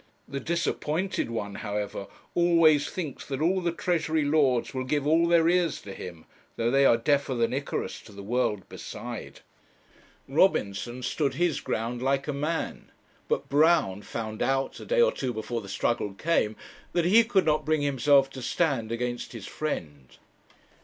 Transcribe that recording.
The disappointed one, however, always thinks that all the Treasury Lords will give all their ears to him, though they are deafer than Icarus to the world beside. Robinson stood his ground like a man; but Brown found out, a day or two before the struggle came, that he could not bring himself to stand against his friend.